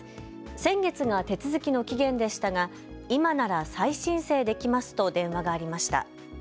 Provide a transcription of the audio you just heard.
先月が手続きの期限でしたが今なら再申請できますと電話がありました。